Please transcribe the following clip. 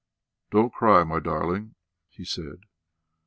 "Don't cry, my darling," he said.